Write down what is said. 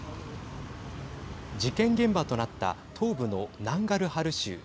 事件現場となった東部のナンガルハル州。